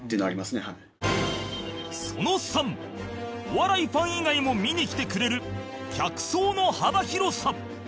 お笑いファン以外も見に来てくれる客層の幅広さ